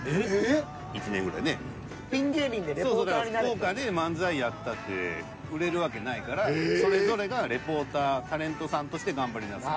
福岡で漫才やったって売れるわけないからそれぞれがレポータータレントさんとして頑張りなさい。